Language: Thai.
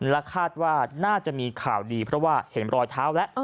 และคาดว่าน่าจะมีข่าวดีเพราะว่าเห็นรอยเท้าแล้ว